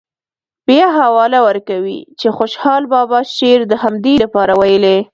بیا حواله ورکوي چې خوشحال بابا شعر د همدې لپاره ویلی.